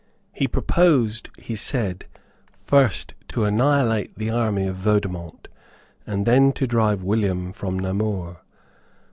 He proposed, he said, first to annihilate the army of Vaudemont, and then to drive William from Namur.